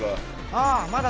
ああまだ